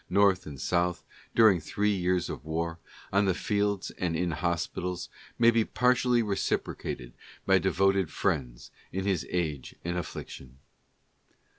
North and South, during three years of war, on the fields and in hospitals, may be partially reciprocated by devoted friends in his age and affliction.